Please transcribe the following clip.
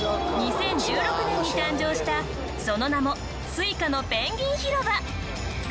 ２０１６年に誕生したその名もＳｕｉｃａのペンギン広場。